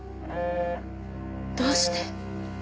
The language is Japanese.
どうして。